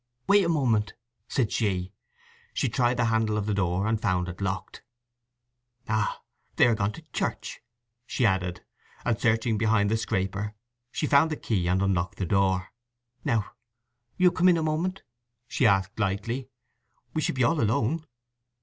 "Wait a moment," said she. She tried the handle of the door and found it locked. "Ah—they are gone to church," she added. And searching behind the scraper she found the key and unlocked the door. "Now, you'll come in a moment?" she asked lightly. "We shall be all alone."